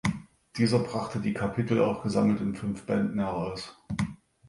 Dieser brachte die Kapitel auch gesammelt in fünf Bänden heraus.